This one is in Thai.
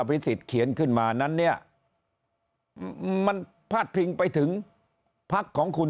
พิสิทธิ์เขียนขึ้นมานั้นเนี่ยมันพาดพิงไปถึงพักของคุณ